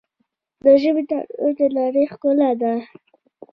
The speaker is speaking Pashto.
د ژبو تنوع د نړۍ ښکلا ده.